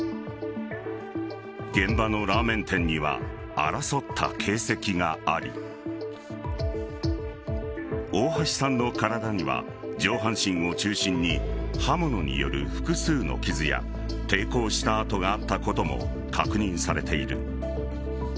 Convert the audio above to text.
現場のラーメン店には争った形跡があり大橋さんの体には上半身を中心に刃物による複数の傷や抵抗した痕があったことも確認されている。